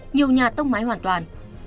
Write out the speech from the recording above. nhiều nhà tốc mái hoàn toàn